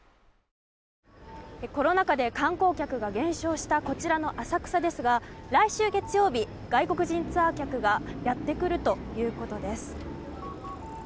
コロナ禍で観光客が減少したこちらの浅草ですが来週月曜日外国人ツアー客がやってくるということです。